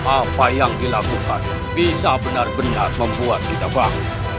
apa yang dilakukan bisa benar benar membuat kita bang